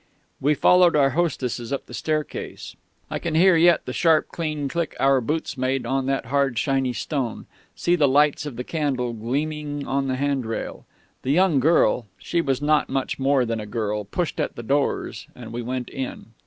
"We followed our hostesses up the staircase. I can hear yet the sharp clean click our boots made on that hard shiny stone see the lights of the candle gleaming on the handrail ... The young girl she was not much more than a girl pushed at the doors, and we went in.